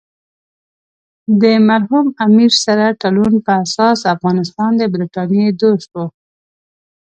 د مرحوم امیر سره تړون په اساس افغانستان د برټانیې دوست وو.